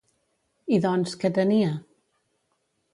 I doncs, què tenia?